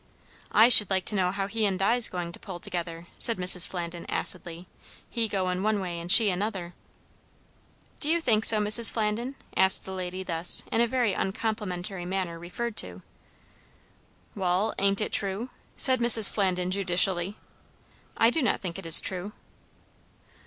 "I should like to know how he and Di's goin' to pull together?" said Mrs. Flandin acidly. "He goin' one way, and she another." "Do you think so, Mrs. Flandin?" asked the lady thus in a very uncomplimentary manner referred to. "Wall ain't it true?" said Mrs. Flandin judicially. "I do not think it is true."